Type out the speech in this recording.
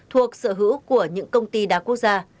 thuộc sở hữu của những công ty đa quốc gia